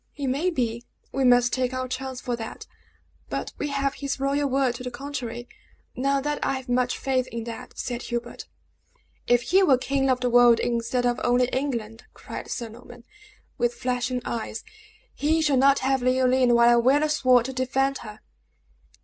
"He maybe; we must take our chance for that; but we have his royal word to the contrary. Not that I have much faith in that!" said Hubert. "If he were king of the world instead of only England," cried Sir Norman, with flashing eyes, "he shall not have Leoline while I wear a sword to defend her!"